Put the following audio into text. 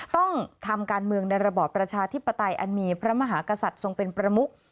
ต้องทำการเมืองในระบอบประชาธิปไตยอันมีพระมหากษัตริย์ทรงเป็นประมุก